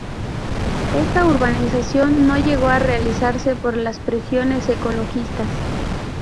Esta urbanización no llegó a realizarse por las presiones ecologistas.